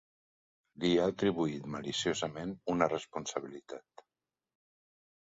Li ha atribuït maliciosament una responsabilitat.